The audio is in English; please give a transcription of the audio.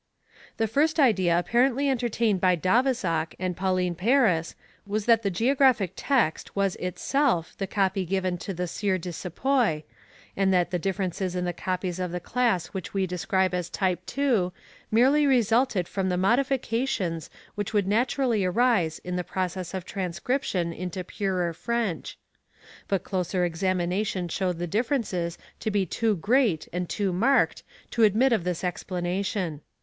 The first idea apparently entertained by d'Avezac and Paulin Paris was that the Geographic Text was itself the copy given to the Sieur de Cepoy, and that the differences in the copies of the class which we describe as Type II. merely resulted from the modifications which would naturally arise in the process of transcription into purer French. But closer examination showed the .differences to be too great and too marked to admit of this explanation.